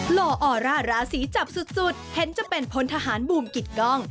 ห่อออร่าราศีจับสุดเห็นจะเป็นพลทหารบูมกิดกล้อง